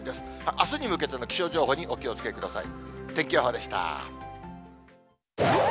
あすに向けての気象情報にお気をつけください。